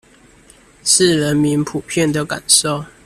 是人民普遍的感受